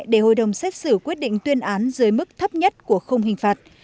để hội đồng xét xử quyết định tuyên án dưới mức thấp nhất của không hình phạt